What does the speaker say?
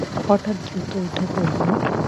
হঠাৎ দ্রুত উঠে পড়ল।